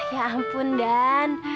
ya ampun dan